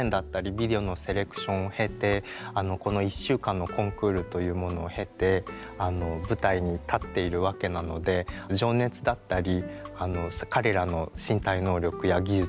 ビデオのセレクションを経てこの１週間のコンクールというものを経て舞台に立っているわけなので情熱だったり彼らの身体能力や技術能力